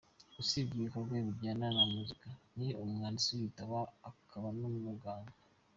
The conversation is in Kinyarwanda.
Usibye ibikorwa bijyanye na muzika ni umwanditsi w’ibitabo akaba n’umuganga.